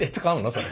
それ。